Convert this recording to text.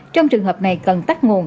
trong trường hợp này cần tắt nguồn